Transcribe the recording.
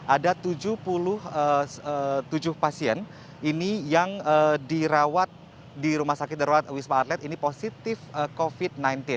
ada tujuh puluh tujuh pasien ini yang dirawat di rumah sakit darurat wisma atlet ini positif covid sembilan belas